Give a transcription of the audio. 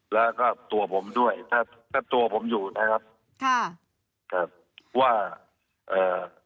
แล้วก็ตัวผมด้วยถ้าถ้าตัวผมอยู่นะครับค่ะครับว่าเอ่อ